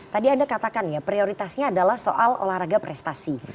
tadi anda katakan ya prioritasnya adalah soal olahraga prestasi